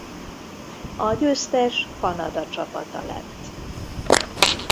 A győztes Kanada csapata lett.